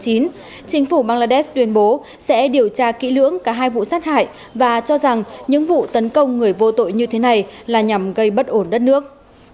chính phủ bangladesh tuyên bố sẽ điều tra kỹ lưỡng cả hai vụ sát hại và cho rằng những vụ tấn công người vô tội như thế này là nhằm gây bất ổn đất nước